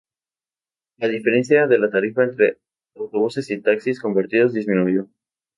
La diferencia de la tarifa entre autobuses y taxis compartidos disminuyó.